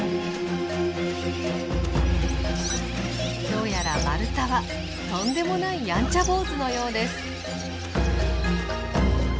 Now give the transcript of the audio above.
どうやらマルタはとんでもないやんちゃ坊主のようです。